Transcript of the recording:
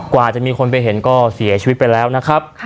กว่าจะมีคนไปเห็นก็เสียชีวิตไปแล้วนะครับ